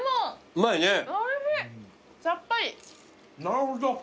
なるほど！